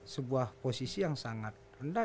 sebuah posisi yang sangat rendah